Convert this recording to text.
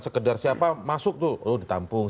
sekedar siapa masuk tuh ditampung